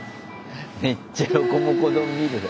めっちゃロコモコ丼見るな。